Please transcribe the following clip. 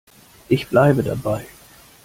Ich bleibe dabei.